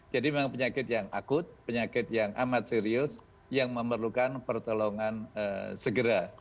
jadi memang penyakit yang akut penyakit yang amat serius yang memerlukan pertolongan segera